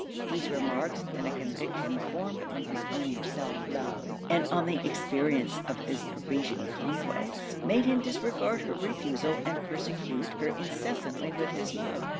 These remarks, and a conviction formed on his own self love and on the experience of his Parisian conquests, made him disregard her refusal and persecute her incessantly with his love.